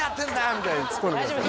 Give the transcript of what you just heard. みたいにツッコんでください